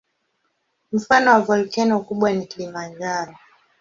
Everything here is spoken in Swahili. Mfano wa volkeno kubwa ni Kilimanjaro.